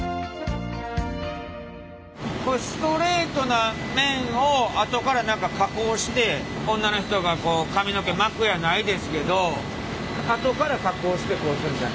こういうストレートな麺をあとから加工して女の人がこう髪の毛巻くやないですけどあとから加工してこういうふうになる。